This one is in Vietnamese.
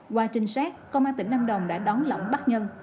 qua trình xét công an tỉnh lâm đồng đã đón lỏng bắt nhân